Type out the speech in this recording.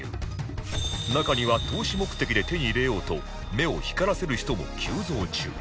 中には投資目的で手に入れようと目を光らせる人も急増中